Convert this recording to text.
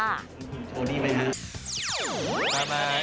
โชว์ดีไหมฮะ